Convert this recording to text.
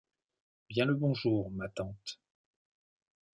Bien le bonjour, ma tante…